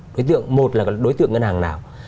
đối tượng một là đối tượng ngân hàng nào